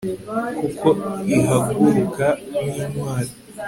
kuko ihaguruka nk'intwari